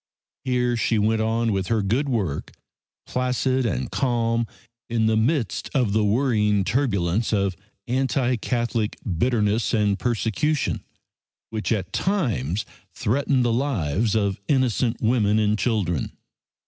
Here she went on with her good work, placid and calm in the midst of the worrying turbulence of anti Catholic bitterness and persecution, which at times threatened the lives of innocent women and children.